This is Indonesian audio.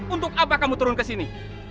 untuk apa kamu turun ke sini